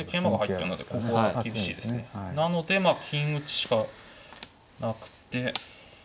なのでまあ金打ちしかなくて。